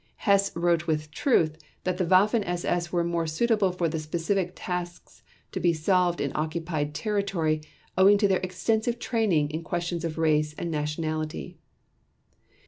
Hess wrote with truth that the Waffen SS were more suitable for the specific tasks to be solved in occupied territory owing to their extensive training in questions of race and nationality.